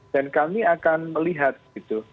dan kami akan melihat gitu